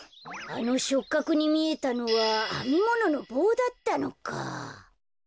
あのしょっかくにみえたのはあみもののぼうだったのか。